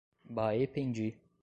Baependi